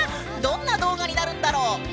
どんな動画になるんだろう？